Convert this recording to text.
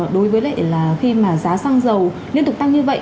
đối với lại là khi mà giá xăng dầu liên tục tăng như vậy